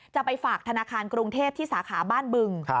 จะไปฝากธนาคารกรุงเทพที่สาขาบ้านบึง